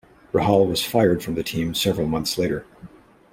Rahal was fired from the team several months later.